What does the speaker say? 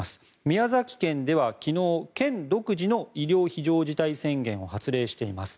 宮崎県では昨日県独自の医療非常事態宣言を発令しています。